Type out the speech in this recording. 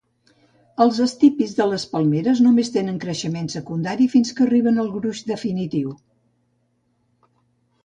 Els estípits de les palmeres només tenen creixement secundari fins que arriben al gruix definitiu.